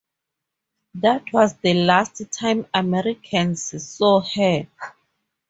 That was the last time Americans saw her.